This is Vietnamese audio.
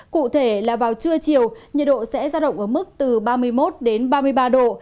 cụ thể là vào trưa chiều nhiệt độ sẽ ra động ở mức từ ba mươi một đến ba mươi ba độ